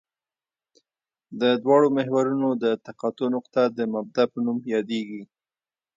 د دواړو محورونو د تقاطع نقطه د مبدا په نوم یادیږي